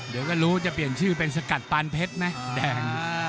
เดี๋ยวก็รู้จะเปลี่ยนชื่อเป็นสกัดปานเพชรไหมแดง